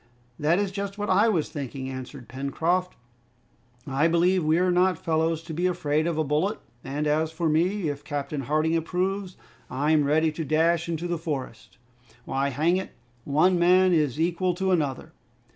"That is just what I was thinking," answered Pencroft. "I believe we're not fellows to be afraid of a bullet, and as for me, if Captain Harding approves, I'm ready to dash into the forest! Why, hang it, one man is equal to another!"